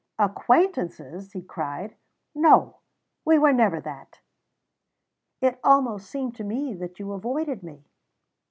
"Acquaintances!" he cried. "No, we were never that." "It almost seemed to me that you avoided me."